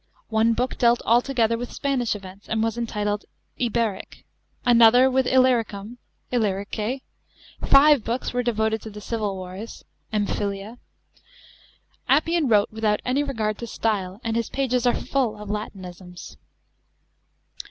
One Book dealt altogether with Spanish events, and was entitled Iberik \ another with lllyricum (Illyrike)\ five books were devoted to the civil wars (Emphytia). f Appian wrote without any regard to style, and his pages are lull of Latinisms.